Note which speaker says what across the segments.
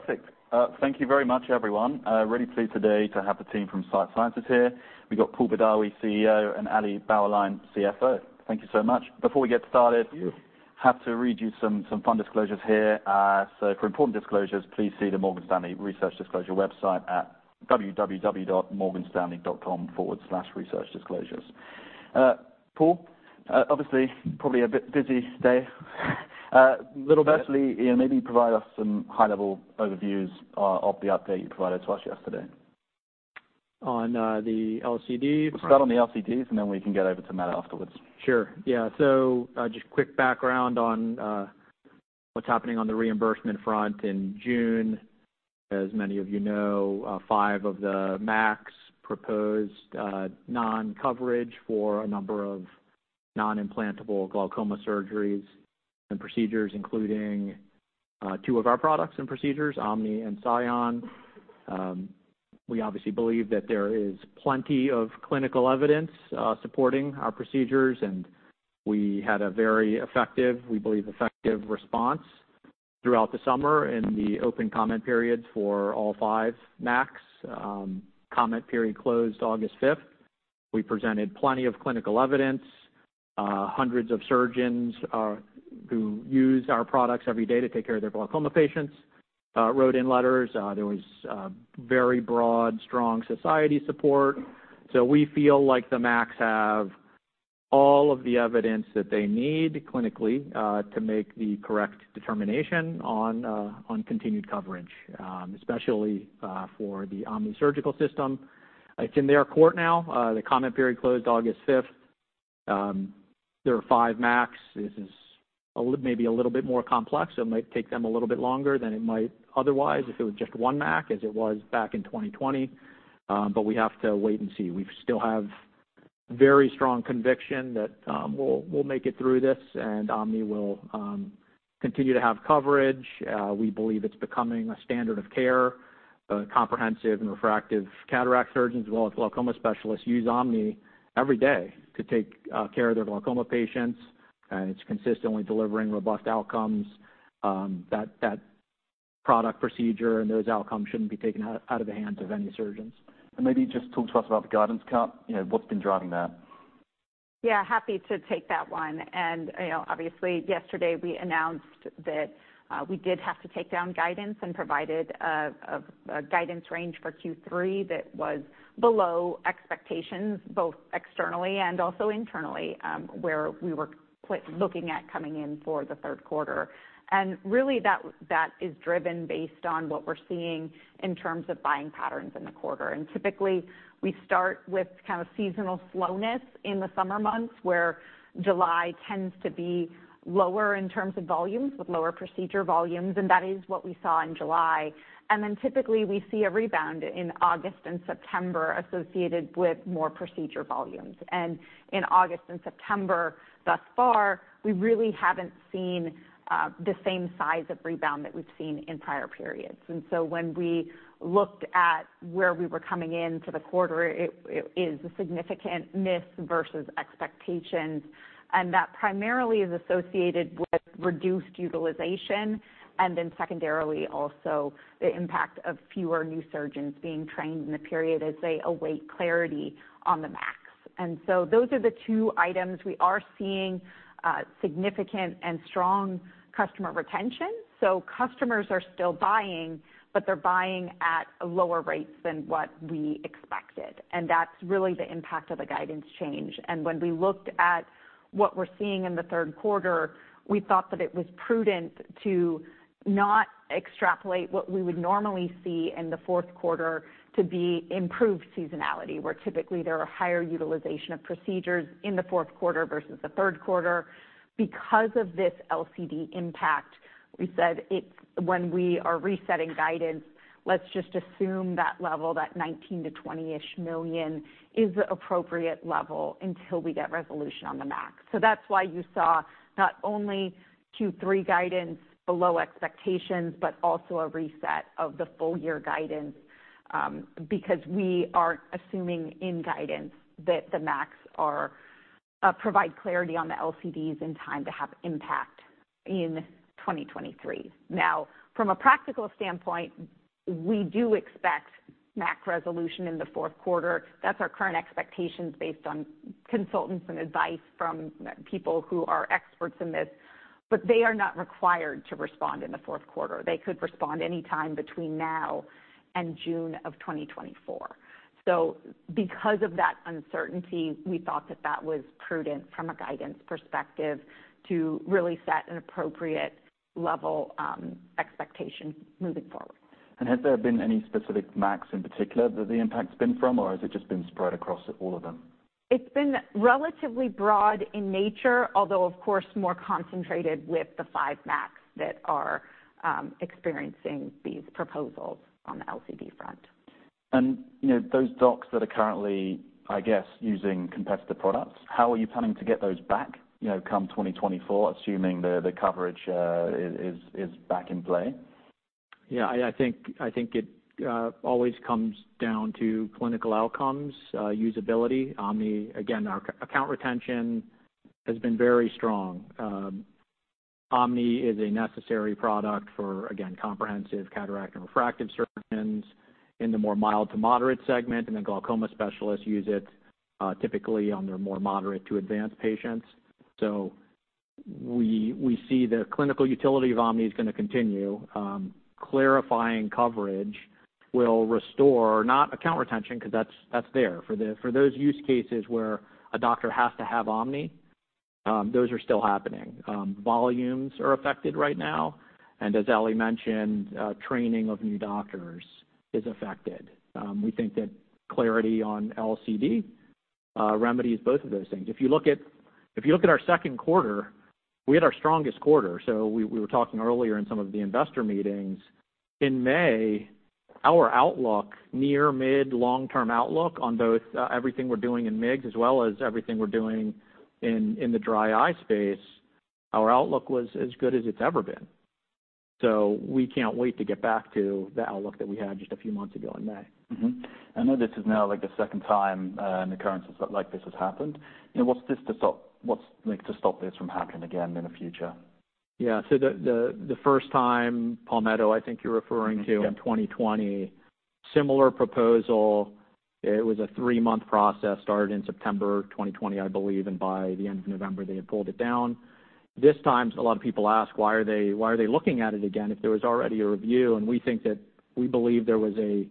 Speaker 1: Perfect. Thank you very much everyone. Really pleased today to have the team from Sight Sciences here. We've got Paul Badawi, CEO, and Ali Bauerlein, CFO. Thank you so much. Before we get started-
Speaker 2: Thank you.
Speaker 1: I have to read you some fun disclosures here. So for important disclosures, please see the Morgan Stanley Research Disclosure website at www.morganstanley.com/researchdisclosures. Paul, obviously, probably a bit busy day.
Speaker 2: Little bit.
Speaker 1: Actually, yeah, maybe provide us some high-level overviews of the update you provided to us yesterday.
Speaker 2: On the LCD?
Speaker 1: We'll start on the LCDs, and then we can get over to Metta afterwards.
Speaker 2: Sure. Yeah, so, just quick background on, what's happening on the reimbursement front in June. As many of you know, five of the MACs proposed, non-coverage for a number of non-implantable glaucoma surgeries and procedures, including, two of our products and procedures, OMNI and SION. We obviously believe that there is plenty of clinical evidence, supporting our procedures, and we had a very effective, we believe, effective response throughout the summer in the open comment periods for all five MACs. Comment period closed August 5th. We presented plenty of clinical evidence. Hundreds of surgeons, who use our products every day to take care of their glaucoma patients, wrote in letters. There was very broad, strong society support. So we feel like the MACs have all of the evidence that they need clinically, to make the correct determination on, on continued coverage, especially, for the OMNI Surgical System. It's in their court now. The comment period closed August 5th. There are five MACs. This is maybe a little bit more complex, it might take them a little bit longer than it might otherwise if it was just one MAC, as it was back in 2020. But we have to wait and see. We still have very strong conviction that, we'll, we'll make it through this, and OMNI will, continue to have coverage. We believe it's becoming a standard of care. Comprehensive and refractive cataract surgeons, as well as glaucoma specialists, use OMNI every day to take care of their glaucoma patients, and it's consistently delivering robust outcomes. That product procedure and those outcomes shouldn't be taken out of the hands of any surgeons.
Speaker 1: Maybe just talk to us about the guidance cut. You know, what's been driving that?
Speaker 3: Yeah, happy to take that one. You know, obviously, yesterday we announced that we did have to take down guidance and provided a guidance range for Q3 that was below expectations, both externally and also internally, where we were looking at coming in for the third quarter. Really, that is driven based on what we're seeing in terms of buying patterns in the quarter. Typically, we start with kind of seasonal slowness in the summer months, where July tends to be lower in terms of volumes, with lower procedure volumes, and that is what we saw in July. Then typically, we see a rebound in August and September associated with more procedure volumes. In August and September thus far, we really haven't seen the same size of rebound that we've seen in prior periods. When we looked at where we were coming in for the quarter, it is a significant miss versus expectations. That primarily is associated with reduced utilization, and then secondarily, also the impact of fewer new surgeons being trained in the period as they await clarity on the MACs. Those are the two items. We are seeing significant and strong customer retention. So customers are still buying, but they're buying at lower rates than what we expected, and that's really the impact of the guidance change. When we looked at what we're seeing in the third quarter, we thought that it was prudent to not extrapolate what we would normally see in the fourth quarter to be improved seasonality, where typically there are higher utilization of procedures in the fourth quarter versus the third quarter. Because of this LCD impact, we said when we are resetting guidance, let's just assume that level, that $19 million-$20 million, is the appropriate level until we get resolution on the MAC. So that's why you saw not only Q3 guidance below expectations, but also a reset of the full year guidance, because we aren't assuming in guidance that the MACs are provide clarity on the LCDs in time to have impact in 2023. Now, from a practical standpoint, we do expect MAC resolution in the fourth quarter. That's our current expectations based on consultants and advice from people who are experts in this. But they are not required to respond in the fourth quarter. They could respond anytime between now and June of 2024. So because of that uncertainty, we thought that that was prudent from a guidance perspective to really set an appropriate level, expectation moving forward.
Speaker 1: Has there been any specific MACs in particular that the impact's been from, or has it just been spread across all of them?
Speaker 3: It's been relatively broad in nature, although of course, more concentrated with the five MACs that are experiencing these proposals on the LCD front.
Speaker 1: You know, those docs that are currently, I guess, using competitor products, how are you planning to get those back, you know, come 2024, assuming the coverage is back in play?
Speaker 2: Yeah, I think it always comes down to clinical outcomes, usability. OMNI, again, our account retention has been very strong. Omni is a necessary product for, again, comprehensive cataract and refractive surgeons in the more mild to moderate segment, and then glaucoma specialists use it, typically on their more moderate to advanced patients. So we see the clinical utility of Omni is gonna continue. Clarifying coverage will restore, not account retention, because that's there. For those use cases where a doctor has to have Omni, those are still happening. Volumes are affected right now, and as Ali mentioned, training of new doctors is affected. We think that clarity on LCD remedies both of those things. If you look at our second quarter, we had our strongest quarter. So we were talking earlier in some of the investor meetings, in May, our outlook, near, mid, long-term outlook on both, everything we're doing in MIGS as well as everything we're doing in the dry eye space, our outlook was as good as it's ever been. So we can't wait to get back to the outlook that we had just a few months ago in May.
Speaker 1: Mm-hmm. I know this is now, like, the second time, an occurrence like this has happened. You know, what's this to stop-- what's like to stop this from happening again in the future?
Speaker 2: Yeah. So the first time, Palmetto, I think you're referring to-
Speaker 1: Yep
Speaker 2: In 2020. Similar proposal, it was a three-month process, started in September 2020, I believe, and by the end of November, they had pulled it down. This time, a lot of people ask, "Why are they, why are they looking at it again if there was already a review?" And we think that we believe there was a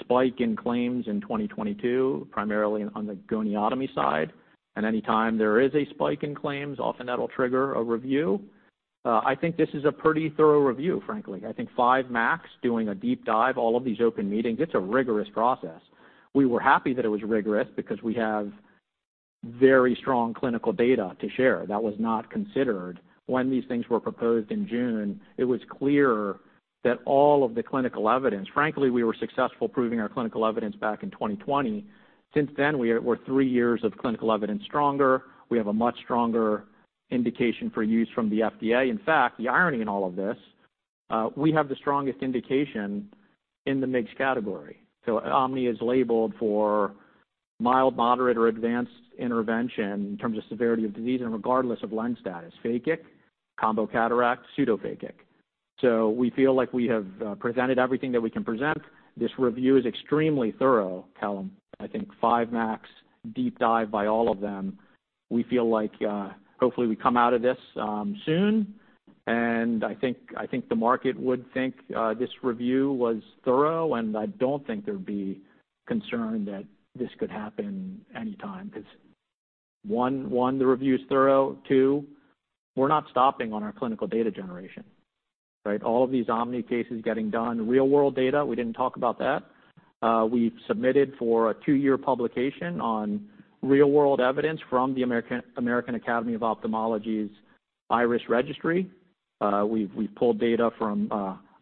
Speaker 2: spike in claims in 2022, primarily on the goniotomy side. And anytime there is a spike in claims, often that'll trigger a review. I think this is a pretty thorough review, frankly. I think five MACs doing a deep dive, all of these open meetings. It's a rigorous process. We were happy that it was rigorous because we have very strong clinical data to share that was not considered when these things were proposed in June. It was clear that all of the clinical evidence. Frankly, we were successful proving our clinical evidence back in 2020. Since then, we're three years of clinical evidence stronger. We have a much stronger indication for use from the FDA. In fact, the irony in all of this, we have the strongest indication in the MIGS category. So Omni is labeled for mild, moderate or advanced intervention in terms of severity of disease and regardless of lens status, phakic, combo cataract, pseudophakic. So we feel like we have presented everything that we can present. This review is extremely thorough, Callum. I think five MACs deep dive by all of them. We feel like, hopefully, we come out of this soon. And I think the market would think this review was thorough, and I don't think there'd be concern that this could happen anytime. Because one, one, the review is thorough. Two, we're not stopping on our clinical data generation, right? All of these Omni cases getting done. Real-world data, we didn't talk about that. We submitted for a two-year publication on real-world evidence from the American Academy of Ophthalmology's IRIS Registry. We've pulled data from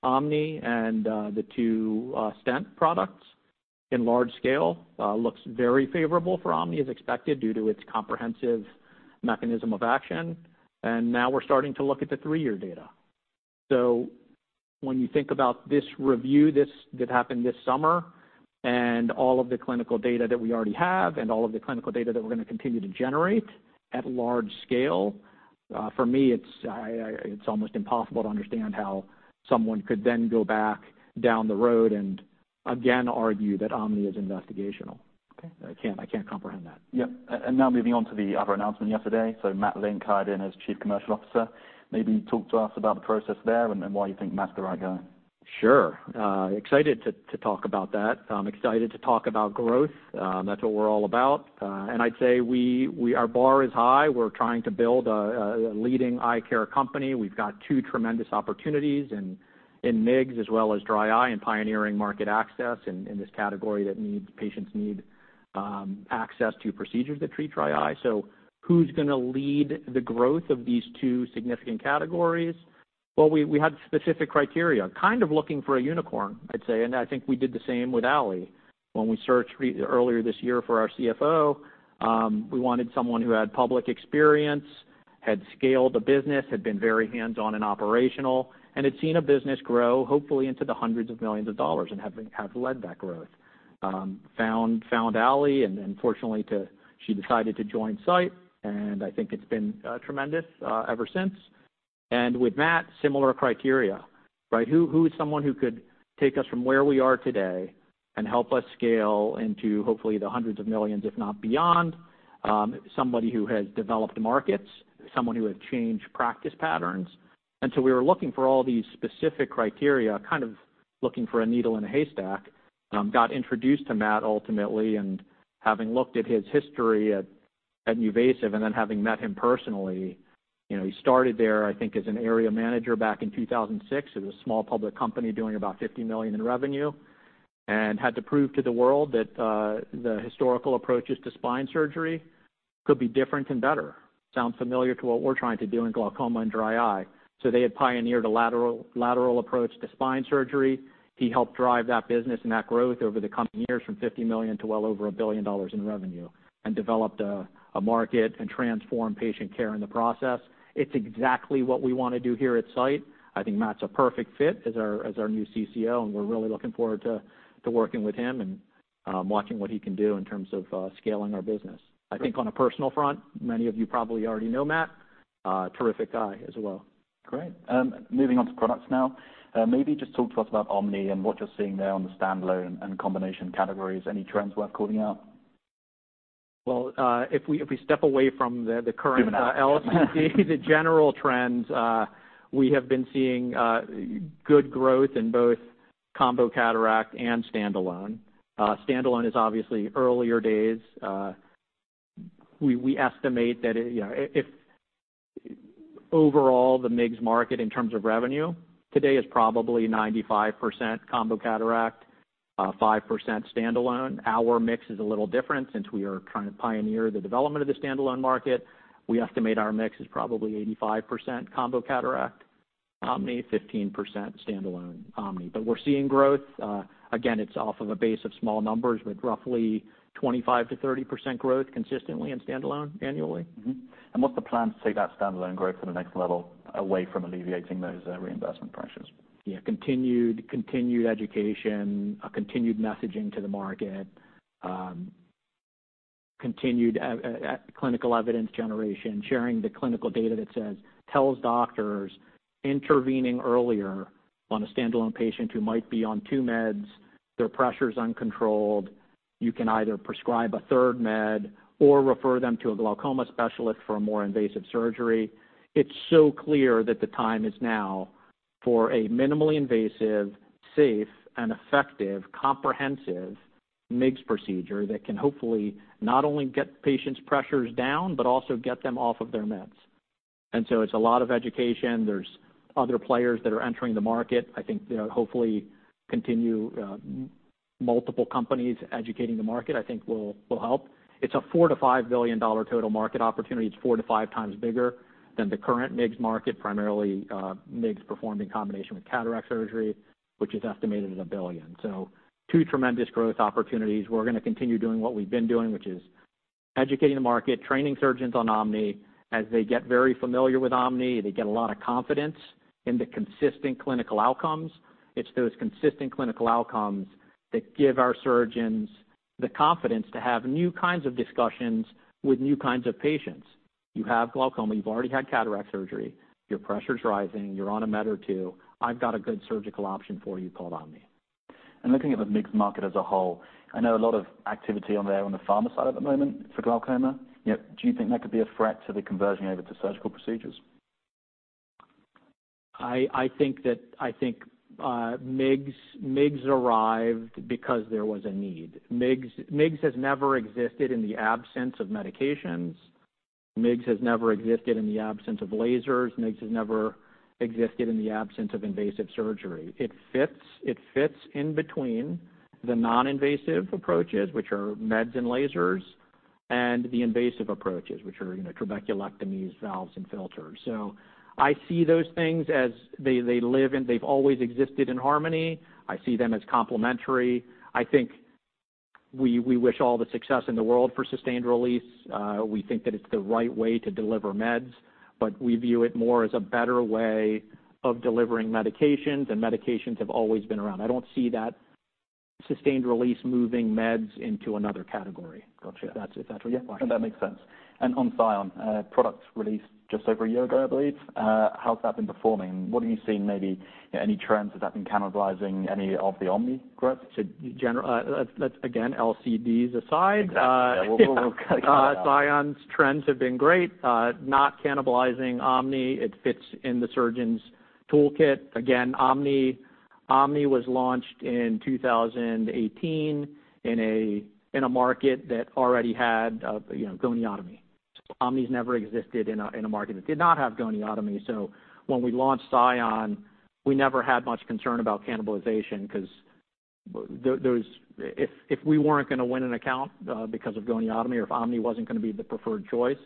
Speaker 2: Omni and the two stent products in large scale. Looks very favorable for Omni, as expected, due to its comprehensive mechanism of action. And now we're starting to look at the three-year data. So when you think about this review, this that happened this summer, and all of the clinical data that we already have and all of the clinical data that we're going to continue to generate at large scale, for me, it's almost impossible to understand how someone could then go back down the road and again argue that OMNI is investigational.
Speaker 1: Okay.
Speaker 2: I can't comprehend that.
Speaker 1: Yep. And now moving on to the other announcement yesterday. So Matt Link hired in as Chief Commercial Officer. Maybe talk to us about the process there and why you think Matt's the right guy.
Speaker 2: Sure. Excited to talk about that. Excited to talk about growth. That's what we're all about. And I'd say our bar is high. We're trying to build a leading eye care company. We've got two tremendous opportunities in MIGS as well as dry eye and pioneering market access in this category that needs patients need access to procedures that treat dry eye. So who's gonna lead the growth of these two significant categories? Well, we had specific criteria, kind of looking for a unicorn, I'd say, and I think we did the same with Ali. When we searched earlier this year for our CFO, we wanted someone who had public experience, had scaled a business, had been very hands-on and operational, and had seen a business grow hopefully into the $100 millions and have led that growth. Found Ali, and then fortunately too she decided to join Sight, and I think it's been tremendous ever since. With Matt, similar criteria, right? Who is someone who could take us from where we are today and help us scale into hopefully the $100 millions, if not beyond? Somebody who has developed markets, someone who has changed practice patterns. And so we were looking for all these specific criteria, kind of looking for a needle in a haystack. Got introduced to Matt ultimately, and having looked at his history at NuVasive, and then having met him personally, you know, he started there, I think, as an area manager back in 2006. It was a small public company doing about $50 million in revenue and had to prove to the world that the historical approaches to spine surgery could be different and better. Sound familiar to what we're trying to do in glaucoma and dry eye. So they had pioneered a lateral approach to spine surgery. He helped drive that business and that growth over the coming years from $50 million to well over $1 billion in revenue, and developed a market and transformed patient care in the process. It's exactly what we wanna do here at Sight. I think Matt's a perfect fit as our new CCO, and we're really looking forward to working with him and I'm watching what he can do in terms of scaling our business. I think on a personal front, many of you probably already know Matt, terrific guy as well.
Speaker 1: Great. Moving on to products now. Maybe just talk to us about OMNI and what you're seeing there on the standalone and combination categories. Any trends worth calling out?
Speaker 2: Well, if we step away from the current-
Speaker 1: Give it up.
Speaker 2: LCD, the general trends, we have been seeing good growth in both combo cataract and standalone. Standalone is obviously earlier days. We estimate that, you know, if overall, the MIGS market in terms of revenue today is probably 95% combo cataract, 5% standalone. Our mix is a little different, since we are trying to pioneer the development of the standalone market. We estimate our mix is probably 85% combo cataract OMNI, 15% standalone OMNI. But we're seeing growth. Again, it's off of a base of small numbers, with roughly 25%-30% growth consistently in standalone annually.
Speaker 1: Mm-hmm. And what's the plan to take that standalone growth to the next level away from alleviating those reimbursement pressures?
Speaker 2: Yeah, continued, continued education, a continued messaging to the market, continued clinical evidence generation, sharing the clinical data that says, tells doctors intervening earlier on a standalone patient who might be on two meds, their pressure's uncontrolled, you can either prescribe a third med or refer them to a glaucoma specialist for a more invasive surgery. It's so clear that the time is now for a minimally invasive, safe and effective, comprehensive MIGS procedure that can hopefully not only get patients' pressures down, but also get them off of their meds. And so it's a lot of education. There's other players that are entering the market. I think, you know, hopefully continue, multiple companies educating the market, I think will help. It's a $4 billion-$5 billion total market opportunity. It's 4x-5x bigger than the current MIGS market, primarily MIGS performed in combination with cataract surgery, which is estimated at $1 billion. So two tremendous growth opportunities. We're gonna continue doing what we've been doing, which is educating the market, training surgeons on Omni. As they get very familiar with Omni, they get a lot of confidence in the consistent clinical outcomes. It's those consistent clinical outcomes that give our surgeons the confidence to have new kinds of discussions with new kinds of patients. You have glaucoma, you've already had cataract surgery, your pressure's rising, you're on a med or two. I've got a good surgical option for you called Omni.
Speaker 1: Looking at the MIGS market as a whole, I know a lot of activity on there on the pharma side at the moment for glaucoma. You know, do you think that could be a threat to the conversion over to surgical procedures?
Speaker 2: I think MIGS arrived because there was a need. MIGS has never existed in the absence of medications. MIGS has never existed in the absence of lasers. MIGS has never existed in the absence of invasive surgery. It fits in between the non-invasive approaches, which are meds and lasers, and the invasive approaches, which are, you know, trabeculectomies, valves and filters. So I see those things as they live and they've always existed in harmony. I see them as complementary. I think we wish all the success in the world for sustained release. We think that it's the right way to deliver meds, but we view it more as a better way of delivering medications, and medications have always been around. I don't see that sustained release moving meds into another category.
Speaker 1: Gotcha.
Speaker 2: That's it. That's yeah, question.
Speaker 1: That makes sense. On SION products released just over a year ago, I believe, how's that been performing? What are you seeing maybe any trends? Has that been cannibalizing any of the OMNI growth?
Speaker 2: So, generally, again, LCDs aside-
Speaker 1: Exactly. Yeah, we'll cut it out.
Speaker 2: SION's trends have been great. Not cannibalizing OMNI. It fits in the surgeon's toolkit. Again, OMNI, OMNI was launched in 2018 in a market that already had, you know, goniotomy. OMNI's never existed in a market that did not have goniotomy. So when we launched SION, we never had much concern about cannibalization because those, if we weren't gonna win an account because of goniotomy, or if OMNI wasn't gonna be the preferred choice,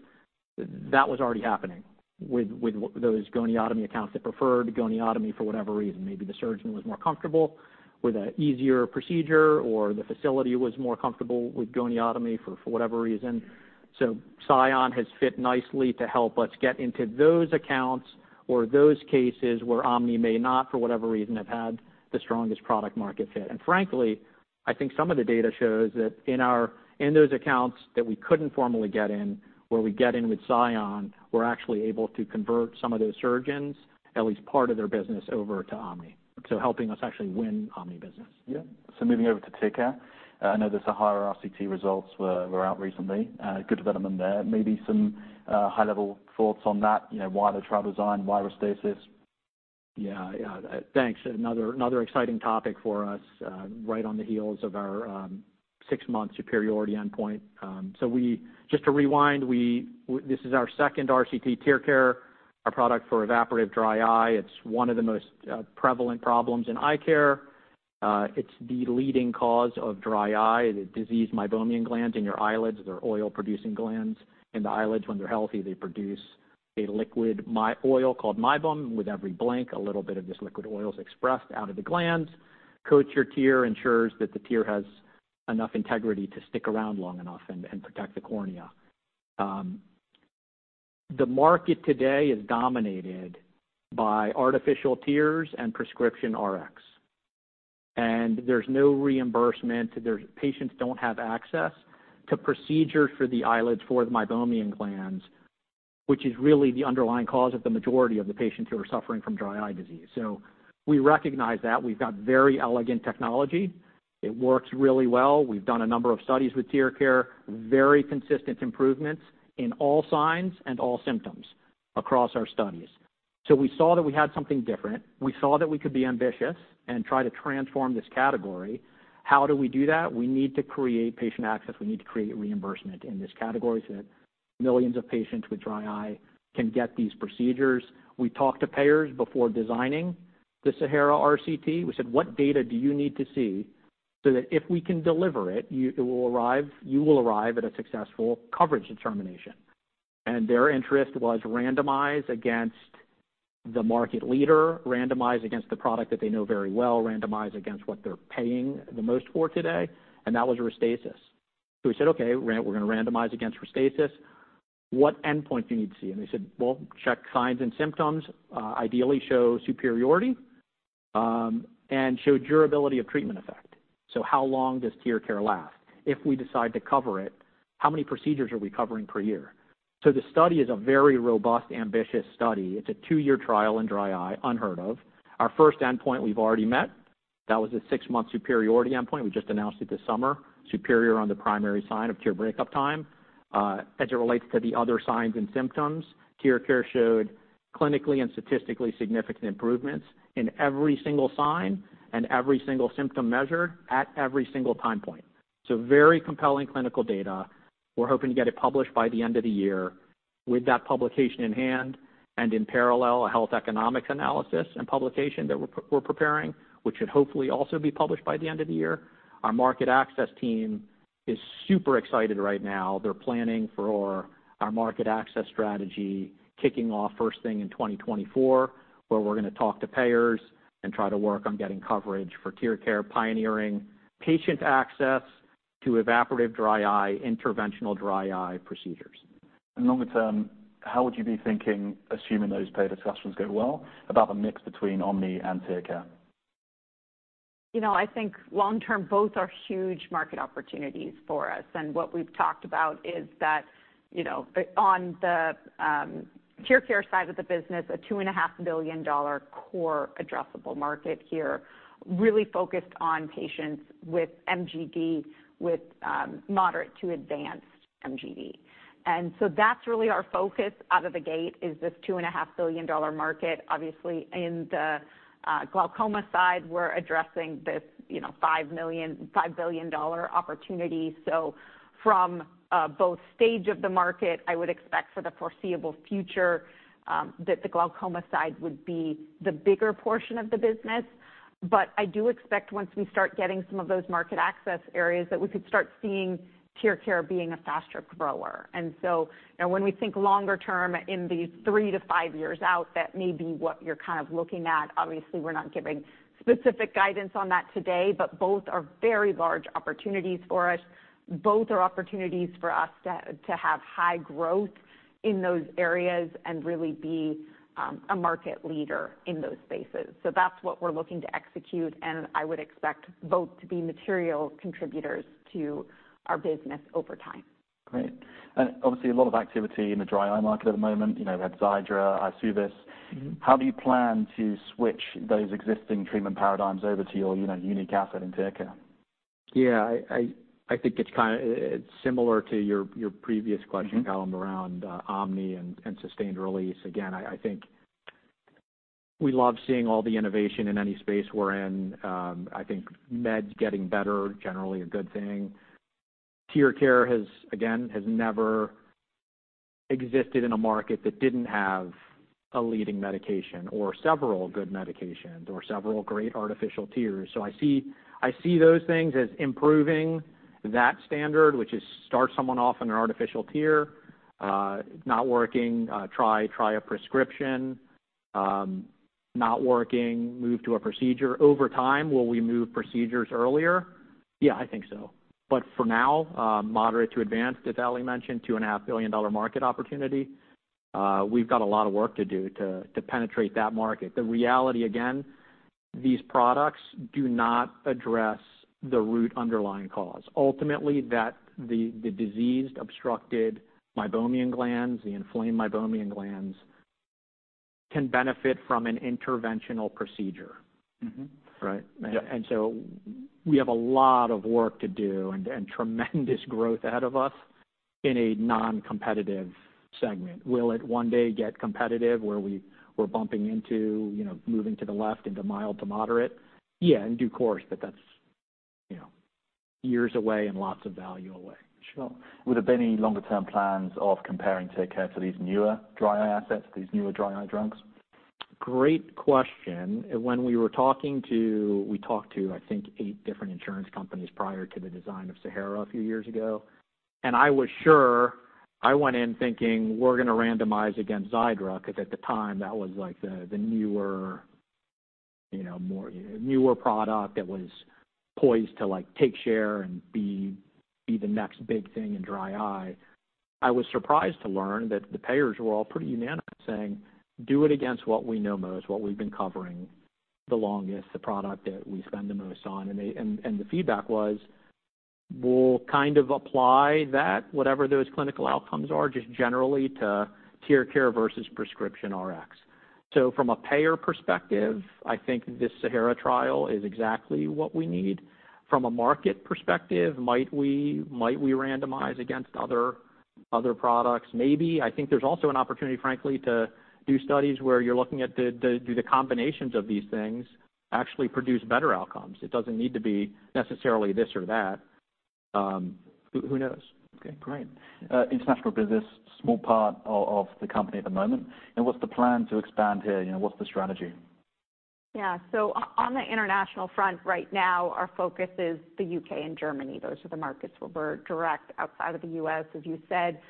Speaker 2: that was already happening with those goniotomy accounts that preferred goniotomy for whatever reason. Maybe the surgeon was more comfortable with an easier procedure, or the facility was more comfortable with goniotomy for whatever reason. So SION has fit nicely to help us get into those accounts or those cases where OMNI may not, for whatever reason, have had the strongest product market fit. And frankly, I think some of the data shows that in those accounts that we couldn't formally get in, where we get in with SION, we're actually able to convert some of those surgeons, at least part of their business, over to OMNI, so helping us actually win OMNI business.
Speaker 1: Yeah. So moving over to TearCare, I know the Sahara RCT results were out recently. Good development there. Maybe some high-level thoughts on that, you know, why the trial design, why Restasis?
Speaker 2: Yeah, yeah. Thanks. Another, another exciting topic for us, right on the heels of our six-month superiority endpoint. So we-- just to rewind, we-- this is our second RCT TearCare, our product for evaporative dry eye. It's one of the most prevalent problems in eye care. It's the leading cause of dry eye. The disease meibomian glands in your eyelids, they're oil-producing glands in the eyelids. When they're healthy, they produce a liquid oil called meibum. With every blink, a little bit of this liquid oil is expressed out of the glands, coats your tear, ensures that the tear has enough integrity to stick around long enough and protect the cornea. The market today is dominated by artificial tears and prescription RX, and there's no reimbursement. Patients don't have access to procedures for the eyelids, for the meibomian glands, which is really the underlying cause of the majority of the patients who are suffering from dry eye disease. So we recognize that. We've got very elegant technology. It works really well. We've done a number of studies with TearCare, very consistent improvements in all signs and all symptoms across our studies. So we saw that we had something different. We saw that we could be ambitious and try to transform this category. How do we do that? We need to create patient access. We need to create reimbursement in this category so that millions of patients with dry eye can get these procedures. We talked to payers before designing the Sahara RCT. We said, "What data do you need to see so that if we can deliver it, you will arrive at a successful coverage determination?" And their interest was randomized against the market leader, randomized against the product that they know very well, randomized against what they're paying the most for today, and that was Restasis. So we said, "Okay, we're gonna randomize against Restasis. What endpoint do you need to see?" And they said, "Well, check signs and symptoms, ideally show superiority, and show durability of treatment effect. So how long does TearCare last? If we decide to cover it, how many procedures are we covering per year?" So the study is a very robust, ambitious study. It's a two-year trial in dry eye, unheard of. Our first endpoint, we've already met. That was a six-month superiority endpoint. We just announced it this summer, superior on the primary sign of Tear Break-Up Time. As it relates to the other signs and symptoms, TearCare showed clinically and statistically significant improvements in every single sign and every single symptom measured at every single time point. So very compelling clinical data. We're hoping to get it published by the end of the year. With that publication in hand, and in parallel, a health economics analysis and publication that we're preparing, which should hopefully also be published by the end of the year. Our market access team is super excited right now. They're planning for our market access strategy, kicking off first thing in 2024, where we're gonna talk to payers and try to work on getting coverage for TearCare, pioneering patient access to evaporative dry eye, interventional dry eye procedures.
Speaker 1: Longer term, how would you be thinking, assuming those paid discussions go well, about the mix between OMNI and TearCare?
Speaker 3: You know, I think long term, both are huge market opportunities for us. And what we've talked about is that, you know, the—on the, TearCare side of the business, a $2.5 billion core addressable market here, really focused on patients with MGD, with, moderate to advanced MGD. And so that's really our focus out of the gate, is this $2.5 billion market. Obviously, in the, glaucoma side, we're addressing this, you know, $5 billion opportunity. So from, both stage of the market, I would expect for the foreseeable future, that the glaucoma side would be the bigger portion of the business. But I do expect once we start getting some of those market access areas, that we could start seeing TearCare being a faster grower. And so when we think longer term in these three to five years out, that may be what you're kind of looking at. Obviously, we're not giving specific guidance on that today, but both are very large opportunities for us. Both are opportunities for us to have high growth in those areas and really be a market leader in those spaces. So that's what we're looking to execute, and I would expect both to be material contributors to our business over time.
Speaker 1: Great. And obviously, a lot of activity in the dry eye market at the moment. You know, we've had Xiidra, Eysuvis.
Speaker 3: Mm-hmm.
Speaker 1: How do you plan to switch those existing treatment paradigms over to your, you know, unique asset in TearCare?
Speaker 2: Yeah, I think it's kinda, it's similar to your previous question, Callum
Speaker 1: Mm-hmm
Speaker 2: Around OMNI and sustained release. Again, I think we love seeing all the innovation in any space we're in. I think meds getting better, generally a good thing. TearCare has again never existed in a market that didn't have a leading medication or several good medications or several great artificial tears. So I see those things as improving that standard, which is start someone off on an artificial tear. Not working, try a prescription. Not working, move to a procedure. Over time, will we move procedures earlier? Yeah, I think so. But for now, moderate to advanced, as Ali mentioned, $2.5 billion market opportunity. We've got a lot of work to do to penetrate that market. The reality, again, these products do not address the root underlying cause. Ultimately, that the diseased, obstructed Meibomian glands, the inflamed Meibomian glands, can benefit from an interventional procedure.
Speaker 1: Mm-hmm.
Speaker 2: Right?
Speaker 1: Yeah.
Speaker 2: So we have a lot of work to do and tremendous growth ahead of us in a non-competitive segment. Will it one day get competitive where we're bumping into, you know, moving to the left into mild to moderate? Yeah, in due course, but that's, you know, years away and lots of value away.
Speaker 1: Sure. Would there be any longer-term plans of comparing TearCare to these newer dry eye assets, these newer dry eye drugs?
Speaker 2: Great question. We talked to, I think, eight different insurance companies prior to the design of Sahara a few years ago. And I was sure I went in thinking, we're gonna randomize against Xiidra, 'cause at the time, that was, like, the newer, you know, more newer product that was poised to, like, take share and be, be the next big thing in dry eye. I was surprised to learn that the payers were all pretty unanimous, saying, "Do it against what we know most, what we've been covering the longest, the product that we spend the most on." And the feedback was, we'll kind of apply that, whatever those clinical outcomes are, just generally to TearCare versus prescription RX. So from a payer perspective, I think this Sahara trial is exactly what we need. From a market perspective, might we randomize against other products? Maybe. I think there's also an opportunity, frankly, to do studies where you're looking at do the combinations of these things actually produce better outcomes? It doesn't need to be necessarily this or that. Who knows?
Speaker 1: Okay, great. International business, small part of the company at the moment. And what's the plan to expand here? You know, what's the strategy?
Speaker 3: Yeah. So on the international front, right now, our focus is the U.K. and Germany. Those are the markets where we're direct outside of the U.S. As you said,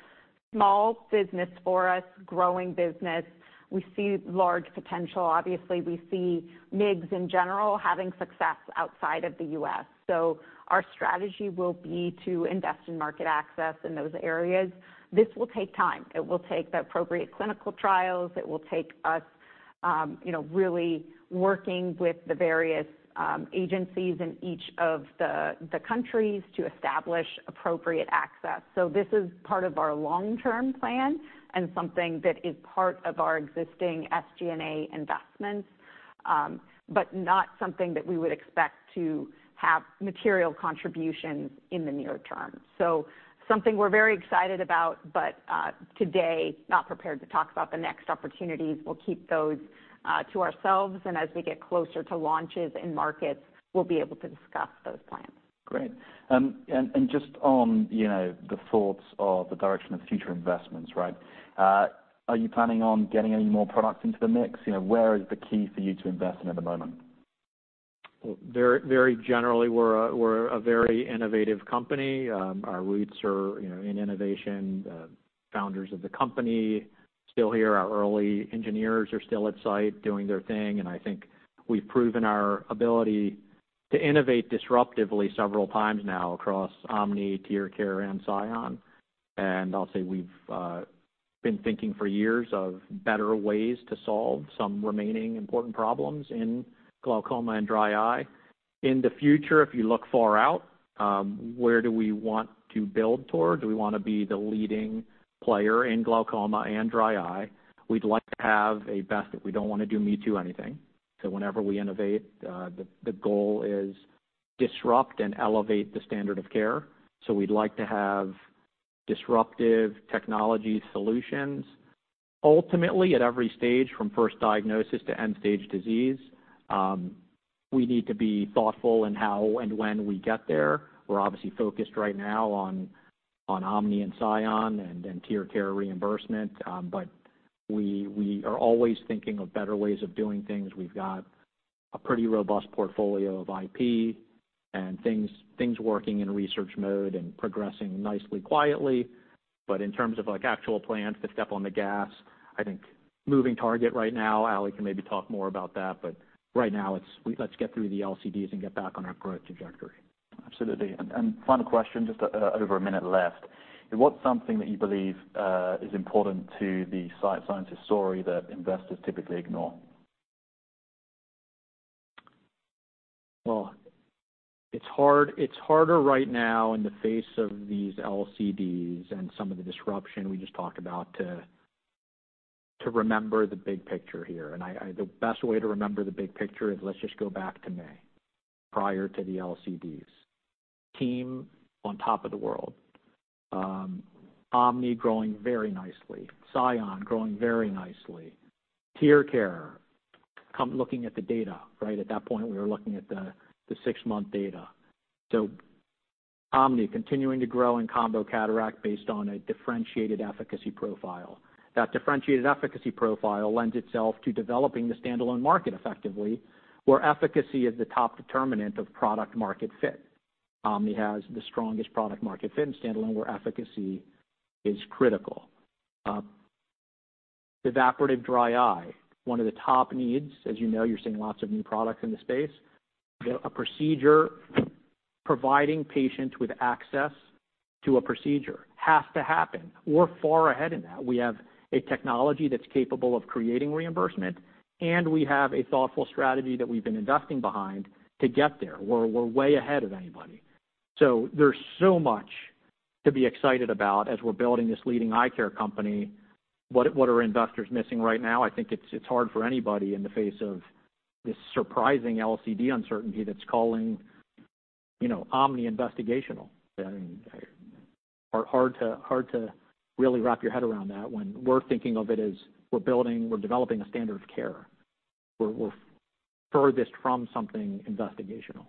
Speaker 3: small business for us, growing business. We see large potential. Obviously, we see MIGS, in general, having success outside of the U.S., so our strategy will be to invest in market access in those areas. This will take time. It will take the appropriate clinical trials. It will take us, you know, really working with the various agencies in each of the countries to establish appropriate access. So this is part of our long-term plan and something that is part of our existing SG&A investments, but not something that we would expect to have material contributions in the near term. So something we're very excited about, but today, not prepared to talk about the next opportunities. We'll keep those to ourselves, and as we get closer to launches and markets, we'll be able to discuss those plans.
Speaker 1: Great. And just on, you know, the thoughts of the direction of future investments, right? Are you planning on getting any more products into the mix? You know, where is the key for you to invest in at the moment?
Speaker 2: Well, very, very generally, we're a very innovative company. Our roots are, you know, in innovation. The founders of the company still here, our early engineers are still at Sight doing their thing, and I think we've proven our ability to innovate disruptively several times now across OMNI, TearCare, and SION. And I'll say we've been thinking for years of better ways to solve some remaining important problems in glaucoma and dry eye. In the future, if you look far out, where do we want to build toward? Do we wanna be the leading player in glaucoma and dry eye? We'd like to have a best- we don't wanna do me too anything. So whenever we innovate, the goal is disrupt and elevate the standard of care. So we'd like to have disruptive technology solutions. Ultimately, at every stage, from first diagnosis to end-stage disease, we need to be thoughtful in how and when we get there. We're obviously focused right now on OMNI and SION and TearCare reimbursement, but we are always thinking of better ways of doing things. We've got a pretty robust portfolio of IP and things working in research mode and progressing nicely quietly. But in terms of, like, actual plans to step on the gas, I think moving target right now. Ali can maybe talk more about that, but right now, it's let's get through the LCDs and get back on our growth trajectory.
Speaker 1: Absolutely. And final question, just over a minute left: What's something that you believe is important to the Sight Sciences story that investors typically ignore?
Speaker 2: Well, it's harder right now in the face of these LCDs and some of the disruption we just talked about, to remember the big picture here. The best way to remember the big picture is let's just go back to May, prior to the LCDs. Team on top of the world. Omni growing very nicely. Sion growing very nicely. TearCare, looking at the data, right? At that point, we were looking at the six-month data. So Omni continuing to grow in combo cataract based on a differentiated efficacy profile. That differentiated efficacy profile lends itself to developing the standalone market effectively, where efficacy is the top determinant of product-market fit. Omni has the strongest product-market fit in standalone, where efficacy is critical. Evaporative dry eye, one of the top needs. As you know, you're seeing lots of new products in the space. A procedure providing patients with access to a procedure has to happen. We're far ahead in that. We have a technology that's capable of creating reimbursement, and we have a thoughtful strategy that we've been investing behind to get there, where we're way ahead of anybody. So there's so much to be excited about as we're building this leading eye care company. What, what are investors missing right now? I think it's, it's hard for anybody in the face of this surprising LCD uncertainty that's calling, you know, Omni investigational. I mean, hard, hard to, hard to really wrap your head around that when we're thinking of it as we're building, we're developing a standard of care. We're, we're furthest from something investigational.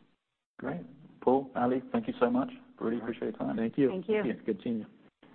Speaker 1: Great. Paul, Ali, thank you so much. Really appreciate your time.
Speaker 2: Thank you.
Speaker 3: Thank you.
Speaker 2: Good seeing you.